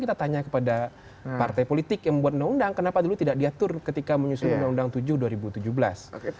kita tanya kepada partai politik yang membuat undang undang kenapa dulu tidak diatur ketika menyusun undang undang tujuh dua ribu tujuh belas